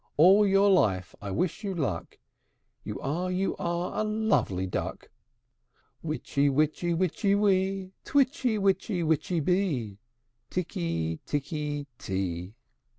All your life I wish you luck! You are, you are, a lovely duck! Witchy witchy witchy wee, Twitchy witchy witchy bee, Tikky tikky tee!